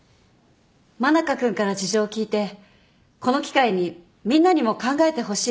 真中君から事情を聴いてこの機会にみんなにも考えてほしいと思ったんです。